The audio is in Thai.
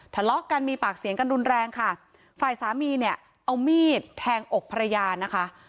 ทะเลาะกันมีปากเสียงกันรุนแรงค่ะฝ่ายสามีเนี่ยเอามีดแทงอกภรรยานะคะ